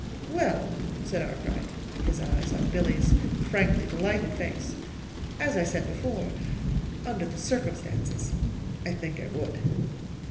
"Well," said Arkwright, his eyes on Billy's frankly delighted face, "as I said before under the circumstances I think I would."